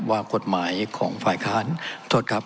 ว่ากฎหมายของฝ่ายค้างขอบคุณครับ